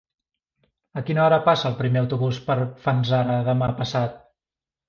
A quina hora passa el primer autobús per Fanzara demà passat?